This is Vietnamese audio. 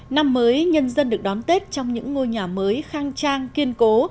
năm mới nhân dân được đón tết trong những ngôi nhà mới khang trang kiên cố